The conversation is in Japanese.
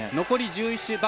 残り１１周。